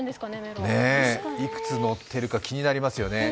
いくつ乗っているか気になりますよね。